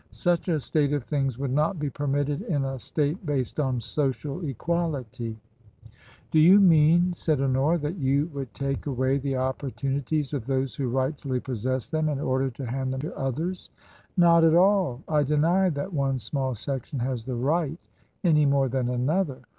Such a state of things would not be permitted in a state based on Social Equality/' Do you mean/' said Honora, " that you would take away the opportunities of those who rightfully possess them in order to hand them to others ?"" Not at all. I deny that one small section has the ' right' any more than another.